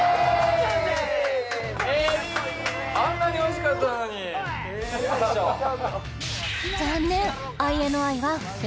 海老あんなにおいしかったのに残念！